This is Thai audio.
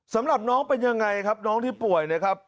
สำหรับน้องเป็นยังไงครับน้องที่ป่วยนะครับ